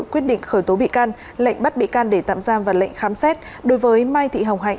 quyết định khởi tố bị can lệnh bắt bị can để tạm giam và lệnh khám xét đối với mai thị hồng hạnh